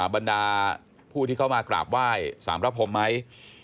บรรดาผู้ที่เข้ามากราบไหว้สารพระพรมไหม